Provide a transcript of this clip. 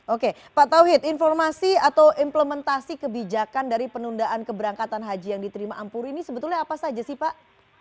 oke pak tauhid informasi atau implementasi kebijakan dari penundaan keberangkatan haji yang diterima ampuri ini sebetulnya apa saja sih pak